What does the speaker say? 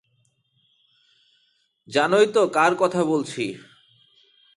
জানোই তো কার কথা বলছি।